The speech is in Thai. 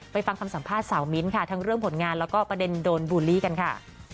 ฟังคำสัมภาษณ์สาวมิ้นท์ค่ะทั้งเรื่องผลงานแล้วก็ประเด็นโดนบูลลี่กันค่ะ